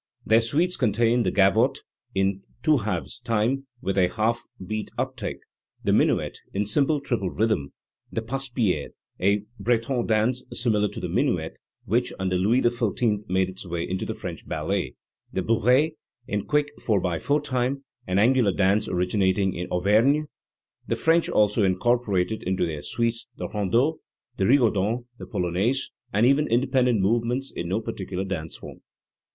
Their suites contain the gavotte, in 2 /2 time, with a half beat up take; the minuet, in simple triple rhythm; the passepied, a Breton dance similar to the minuet, which, under Louis XIV,, made its way into the French ballet; the bounce, in quick */4 time, an angular dance originating in Auvergne, The French also incorporated into their suites the rondeau, the rigau don, the polonaise, and even independent movements in no particular dance form.